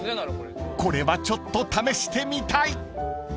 ［これはちょっと試してみたい］